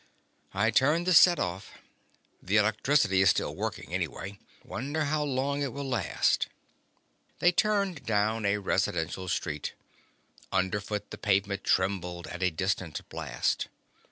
I turned the set off. The electricity is still working anyway. Wonder how long it will last?" They turned down a residential street. Underfoot the pavement trembled at a distant blast.